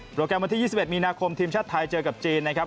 แกรมวันที่๒๑มีนาคมทีมชาติไทยเจอกับจีนนะครับ